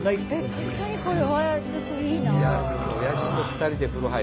確かにこれはちょっといいな。